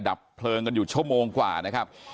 ดับเพลิงกันอยู่ชั่วโมงกว่านะครับ